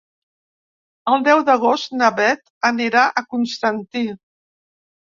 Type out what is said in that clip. El deu d'agost na Beth anirà a Constantí.